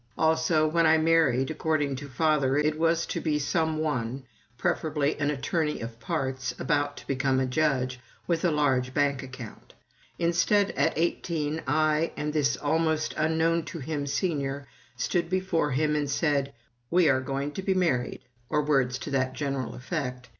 Also, when I married, according to father it was to be some one, preferably an attorney of parts, about to become a judge, with a large bank account. Instead, at eighteen, I and this almost unknown to him Senior stood before him and said, "We are going to be married," or words to that general effect.